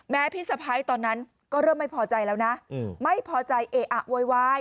พี่สะพ้ายตอนนั้นก็เริ่มไม่พอใจแล้วนะไม่พอใจเออะโวยวาย